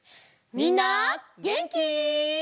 みんなげんき？